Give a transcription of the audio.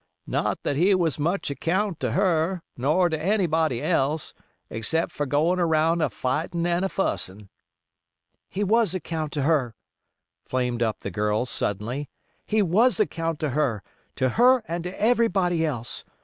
"Not that he was much account to her, ner to anybody else, except for goin' aroun' a fightin' and a fussin'." "He was account to her," flamed up the girl, suddenly; "he was account to her, to her and to everybody else.